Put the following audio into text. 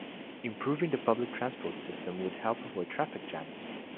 Improving the public transport system would help avoid traffic jams.